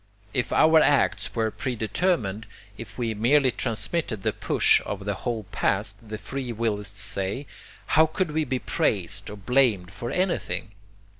If our acts were predetermined, if we merely transmitted the push of the whole past, the free willists say, how could we be praised or blamed for anything?